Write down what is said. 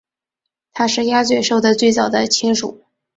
它是鸭嘴兽的最早的亲属。